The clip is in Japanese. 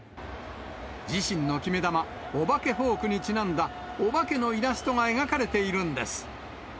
自身の決め球、お化けフォークにちなんだお化けのイラストが描かれているんです。